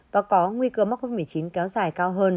và có nguy cơ mắc covid một mươi chín kéo dài